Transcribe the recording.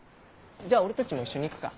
じゃあ俺たちも一緒に行くか。